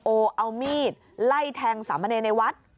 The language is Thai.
โอ้เอามีดไล่แทงสามัญญาณในวัด